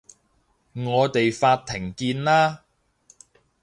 我哋法庭見啦